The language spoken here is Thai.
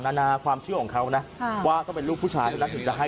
นานาความเชื่อของเขานะว่าต้องเป็นลูกผู้ชายเท่านั้นถึงจะให้